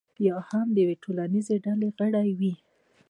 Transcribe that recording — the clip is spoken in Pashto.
یا هم د یوې ټولنیزې ډلې غړی وي.